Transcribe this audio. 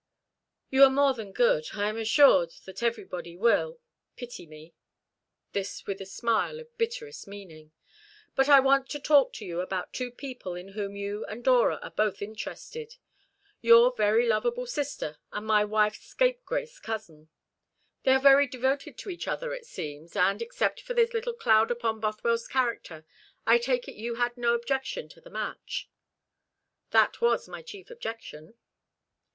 "You are more than good. I am assured that everybody will pity me," this with a smile of bitterest meaning. "But I want to talk to you about two people in whom you and Dora are both interested your very lovable sister, and my wife's scapegrace cousin. They are devoted to each other; it seems, and except for this little cloud upon Bothwell's character, I take it you had no objection to the match." "That was my chief objection."